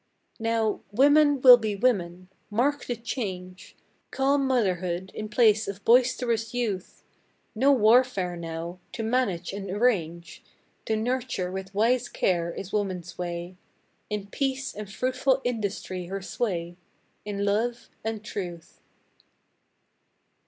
Now, "women will be women." Mark the change; Calm motherhood in place of boisterous youth; No warfare now; to manage and arrange, To nurture with wise care, is woman's way, In peace and fruitful industry her sway, In love and truth.